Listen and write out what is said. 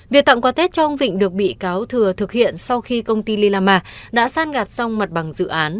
việc tặng quà tết cho ông vịnh được bị cáo thừa thực hiện sau khi công ty lila ma đã sàn gạt xong mặt bằng dự án